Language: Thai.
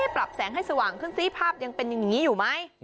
ปรับแสงให้สว่างขึ้นซิภาพยังเป็นอย่างนี้อยู่ไหม